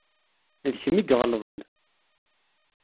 D kemm i iɣelḍen